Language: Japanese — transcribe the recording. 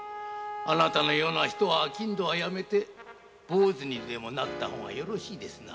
あなたのような人は商人はやめて坊主にでもなった方がよろしいですな